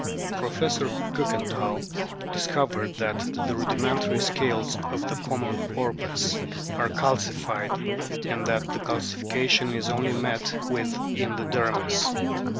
Professor Ktikenthal dis covered that the rudimentary scales of the common porpoise are calcified, and that the calcification is only met with in the dermis.